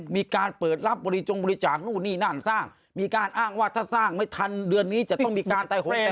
มีการเปิดรับบริจงบริจักษ์โน้นนี่น๒๐๓๐